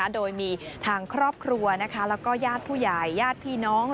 โดยมีทางครอบครัวแล้วก็ญาติผู้ใหญ่ญาติพี่น้อง